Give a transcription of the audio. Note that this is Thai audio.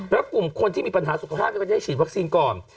แล้วกลุ่มคนที่มีปัญหาสุขภาพจะไปได้ฉีดวัคซีนก่อน